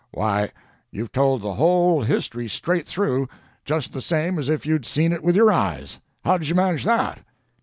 Why, you've told the whole history straight through, just the same as if you'd seen it with your eyes. How did you manage that?"